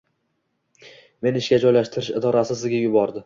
Meni ishga joylashtirish idorasi sizga yubordi.